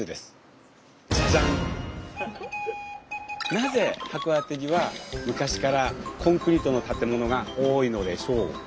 なぜ函館には昔からコンクリートの建物が多いのでしょうか？